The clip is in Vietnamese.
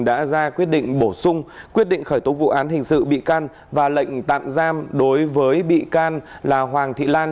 đã ra quyết định bổ sung quyết định khởi tố vụ án hình sự bị can và lệnh tạm giam đối với bị can là hoàng thị lan